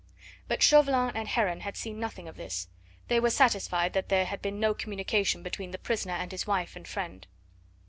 But Chauvelin and Heron had seen nothing of this. They were satisfied that there had been no communication between the prisoner and his wife and friend.